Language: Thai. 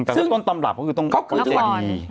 แต่ต้นตำหลับก็คือต้นตำหลับสิกชน